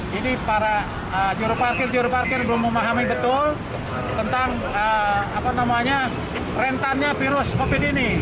jadi para juru parkir juru parkir belum memahami betul tentang rentannya virus covid ini